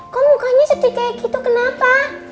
kok mukanya sedih kayak gitu kenapa